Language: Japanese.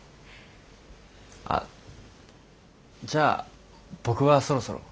あっじゃあ僕はそろそろ。